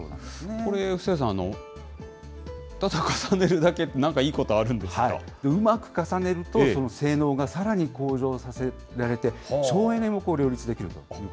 これ、布施谷さん、ただ重ねるだけで何かいいことあるんですうまく重ねると性能がさらに向上させられて、省エネも両立できると。